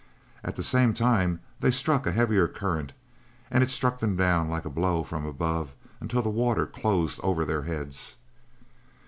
At the same time they struck a heavier current and it struck them down like a blow from above until the water closed over their heads.